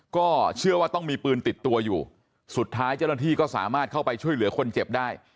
ก็เชื่อว่าต้องมีปืนติดตัวอยู่สุดท้ายเจ้าหน้าที่ก็สามารถเข้าไปช่วยเหลือคนเจ็บได้